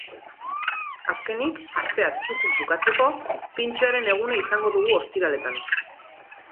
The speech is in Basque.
Azkenik, astea txukun bukatzeko, pintxoaren eguna izango dugu ostiraletan.